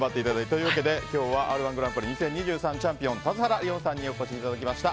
というわけで今日は「Ｒ‐１グランプリ２０２３」チャンピオン田津原理音さんにお越しいただきました。